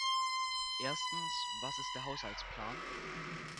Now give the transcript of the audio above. Erstens, was ist der Haushaltsplan?